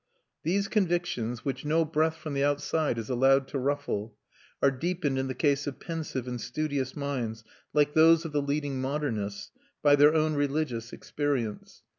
These convictions, which no breath from the outside is allowed to ruffle, are deepened in the case of pensive and studious minds, like those of the leading modernists, by their own religious experience.